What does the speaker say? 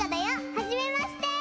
はじめまして！